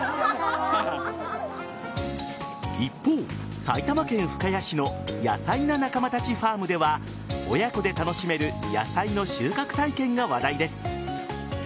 一方、埼玉県深谷市のヤサイな仲間たちファームでは親子で楽しめる野菜の収穫体験が話題です。